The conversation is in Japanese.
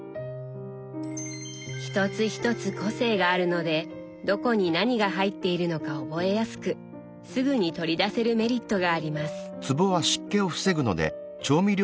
一つ一つ個性があるのでどこに何が入っているのか覚えやすくすぐに取り出せるメリットがあります。